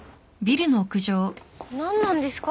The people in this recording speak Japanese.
何なんですか？